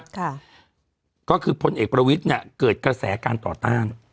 ค่ะก็คือพลเอกประวิทย์เนี่ยเกิดกระแสการต่อต้าน